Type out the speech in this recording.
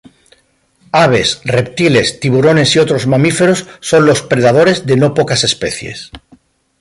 Aves, reptiles, tiburones y otros mamíferos son los predadores de no pocas especies.